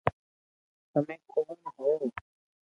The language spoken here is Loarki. تمي ڪوڻ ھون